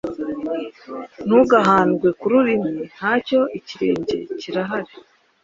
Ntugahandwe ku rurimi, nacyo ikirenge kirahari,